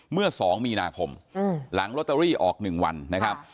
เมื่อ๒มีนาคมหลังลอตเตอรี่ออก๑วันนะครับ